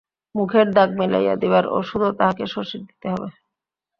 মুখের দাগ মিলাইয়া দিবার ওষুধও তাহাকে শশীর দিতে হয়।